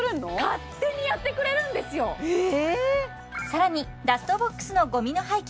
勝手にやってくれるんですよええ！